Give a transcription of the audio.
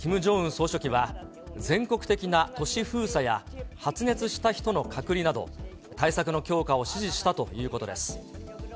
総書記は、全国的な都市封鎖や発熱した人の隔離など、対策の強化を指示したということです。